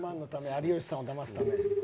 有吉さんをだますだめ。